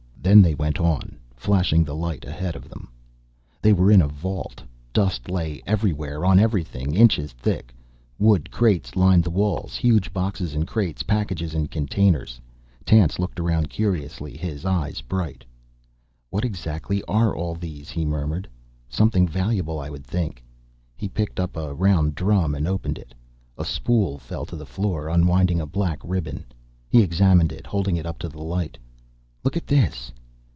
Then they went on, flashing the light ahead of them. They were in a vault. Dust lay everywhere, on everything, inches thick. Wood crates lined the walls, huge boxes and crates, packages and containers. Tance looked around curiously, his eyes bright. "What exactly are all these?" he murmured. "Something valuable, I would think." He picked up a round drum and opened it. A spool fell to the floor, unwinding a black ribbon. He examined it, holding it up to the light. "Look at this!"